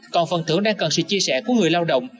còn phần thưởng đang cần sự chia sẻ của người lao động